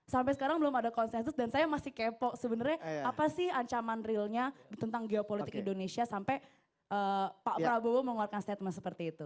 sampai sekarang belum ada konsensus dan saya masih kepo sebenarnya apa sih ancaman realnya tentang geopolitik indonesia sampai pak prabowo mengeluarkan statement seperti itu